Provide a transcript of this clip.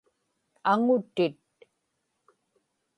aŋutit